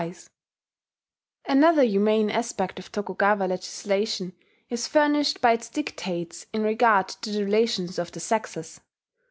] Another humane aspect of Tokugawa legislation is furnished by its dictates in regard to the relations of the sexes.